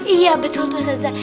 iya betul tuh saza